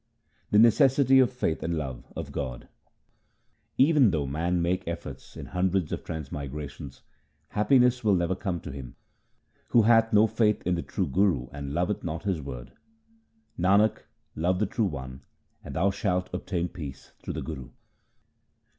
The necessity of faith and love of God :— Even though man make efforts in hundreds of trans migrations, happiness will never come to him Who hath no faith in the true Guru and loveth not his word. Nanak, love the True One, and thou shalt obtain peace through the Guru.